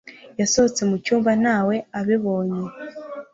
Yasohotse mu cyumba ntawe abibonye